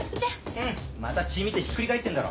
フンッまた血見てひっくり返ってんだろ。